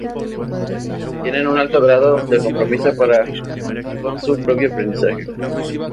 Tienen un alto grado de compromiso para con su propio aprendizaje.